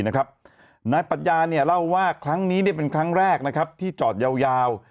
นายปัชญาเนี่ยเล่าว่าครั้งนี้เป็นครั้งแรกนะครับที่จอดยาว